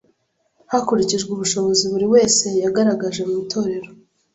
hakurikijwe ubushobozi buri wese yagaragaje mu Itorero.